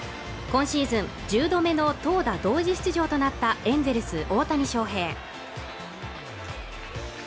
今シーズン１０度目の投打同時出場となったエンゼルス大谷翔平